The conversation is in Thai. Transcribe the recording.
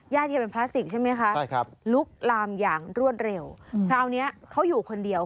ย่าเทียมเป็นพลาสติกใช่ไหมคะลุกลามอย่างรวดเร็วคราวนี้เขาอยู่คนเดียว